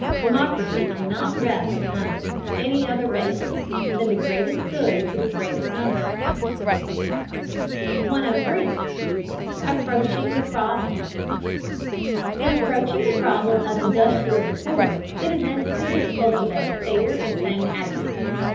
Democracy cannot rest upon any other basis than the greatest good to the greatest number. 103. APPROACHING THE PROBLEM. In approaching the problem of industrial reform it is necessary to cultivate a fair and sane attitude.